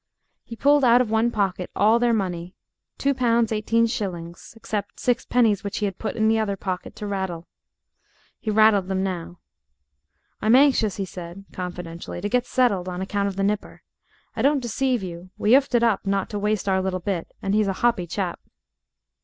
He pulled out of one pocket all their money two pounds eighteen shillings except six pennies which he had put in the other pocket to rattle. He rattled them now. "I'm anxious," he said, confidentially, "to get settled on account of the nipper. I don't deceive you; we 'oofed it up, not to waste our little bit, and he's a hoppy chap."